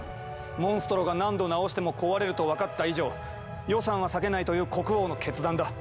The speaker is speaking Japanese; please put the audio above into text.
モンストロが何度なおしても壊れると分かった以上予算は割けないという国王の決断だ。